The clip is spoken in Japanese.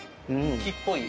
木っぽい。